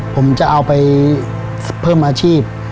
ผมจะเอาไปเพิ่มอาชีพ